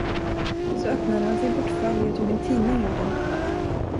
Så öppnade han sin portfölj och tog ut en tidning ur den.